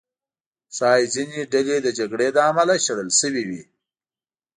ښایي ځینې ډلې د جګړې له امله شړل شوي وو.